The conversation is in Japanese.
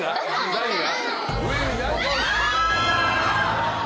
何が？